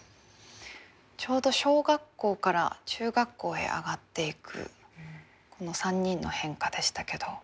ちょうど小学校から中学校へ上がっていく３人の変化でしたけど。